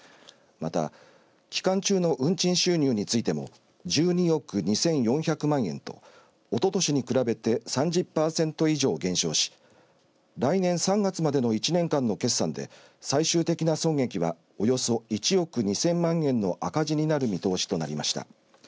また期間中の運賃収入についても１２億２４００万円とおととしに比べて３０パーセント以上減少し来年３月までの１年間の決算で最終的な損益はおよそ１億２０００万円の赤字になる見通しとなりました。